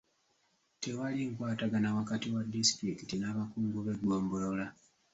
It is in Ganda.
Tewali nkwatagana wakati wa disitulikiti n'abakungu b'eggombolola.